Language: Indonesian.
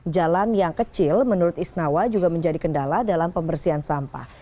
jalan yang kecil menurut isnawa juga menjadi kendala dalam pembersihan sampah